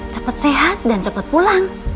cepat sehat dan cepat pulang